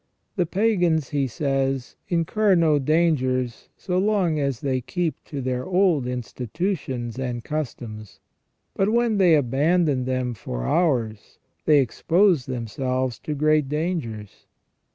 " The pagans," he says, " incur no dangers so long as they keep to their old institutions and customs ; but when they abandon them for ours they expose themselves to great dangers.